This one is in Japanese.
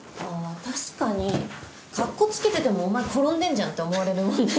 確かにカッコつけててもお前転んでんじゃんって思われるもんね。